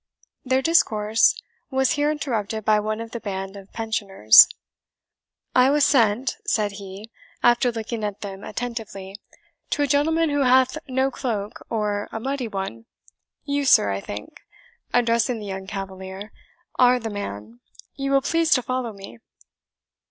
Their discourse was here interrupted by one of the band of Pensioners. "I was sent," said he, after looking at them attentively, "to a gentleman who hath no cloak, or a muddy one. You, sir, I think," addressing the younger cavalier, "are the man; you will please to follow me."